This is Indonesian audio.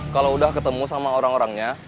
kalau udah ketemu sama orang orangnya